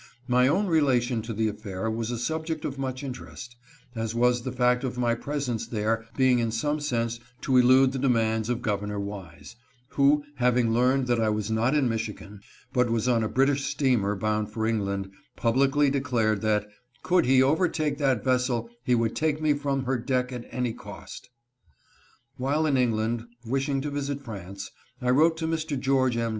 My own relation to the affair was a subject of much inter est, as was the fact of my presence there being in some sense to elude the demands of Governor Wise, who, hav ing learned that I was not in Michigan, but was on a British steamer bound for England, publicly declared that " could he overtake that vessel he would take me from her deck at any cost." While in England, wishing to visit France, I wrote to Mr. George M.